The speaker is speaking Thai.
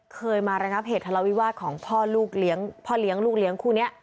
เคยมาระนับเหตุธรรมวิวาสของพ่อเลี้ยงลูกเลี้ยงคู่นี้